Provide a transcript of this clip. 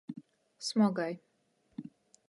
Smogai.